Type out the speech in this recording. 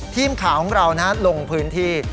ทีมข่าวของเราลงพื้นที่